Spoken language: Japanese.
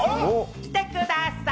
来てください！